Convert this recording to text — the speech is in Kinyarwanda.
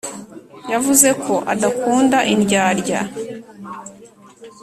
yavuzeko adakunda indyarya